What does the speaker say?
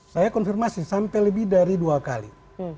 saya konfirmasi sampai lebih dari dua kali